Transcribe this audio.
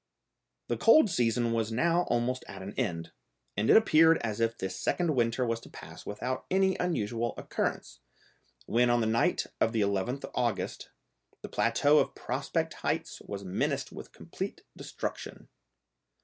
The cold season was now almost at an end, and it appeared as if this second winter was to pass without any unusual occurrence, when, on the night of the 11th August, the plateau of Prospect Heights was menaced with complete destruction.